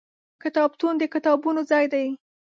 کتابتون د کتابونو ځای دی.